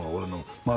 まあ